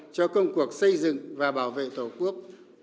cho công cuộc xây dựng và bảo vệ tổ quốc